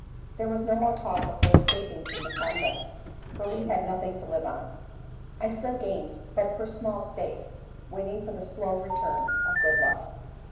There was no more talk of her escaping from the convent, for we had nothing to live on! I still gamed, but for small stakes, waiting for the slow return of good luck.